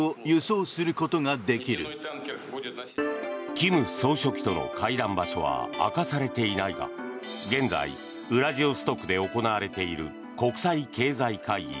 金総書記との会談場所は明かされていないが現在ウラジオストクで行われている国際経済会議